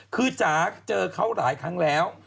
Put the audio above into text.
คือจ๋าเจอเขาหลายครั้งแล้ว